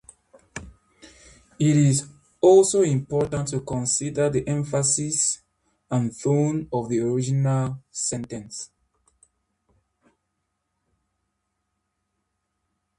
It is also important to consider the emphasis and tone of the original sentence.